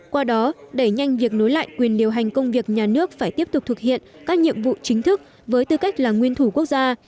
qua đó đẩy nhanh việc nối lại quyền điều hành công việc nhà nước phải tiếp tục thực hiện các nhiệm vụ chính thức với tư cách là nguyên thủ quốc gia